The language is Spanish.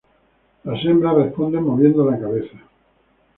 Las hembras responden moviendo la cabeza.